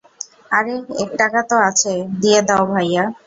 আরে, এক টাকা তো আছে, দিয়ে দাও, ভাইয়া।